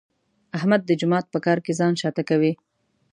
احمد د جومات په کار کې ځان شاته کوي.